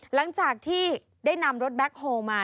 หลังจากที่ได้นำรถแบ็คโฮลมา